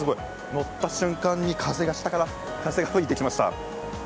乗った瞬間に風が下から吹いてきました。